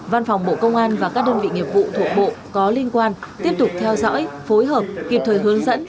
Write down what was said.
văn phòng bộ công an và các đơn vị nghiệp vụ thuộc bộ có liên quan tiếp tục theo dõi phối hợp kịp thời hướng dẫn